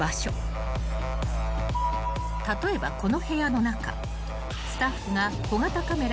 ［例えばこの部屋の中］